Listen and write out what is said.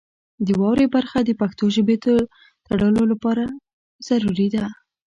د واورئ برخه د پښتو ژبې د تړلو لپاره ضروري ده.